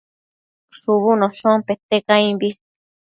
shubunoshon pete caimbi